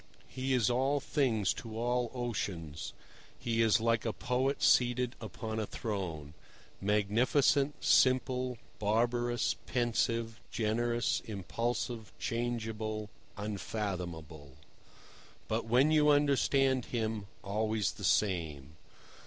He is all things to all oceans; he is like a poet seated upon a throne—magnificent, simple, barbarous, pensive, generous, impulsive, changeable, unfathomable—but when you understand him, always the same.